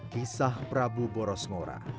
kisah prabu boros ngora